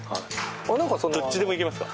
どっちでもいけますか？